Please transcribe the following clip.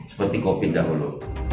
seperti covid dahulu